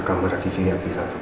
ke kamar vvip satu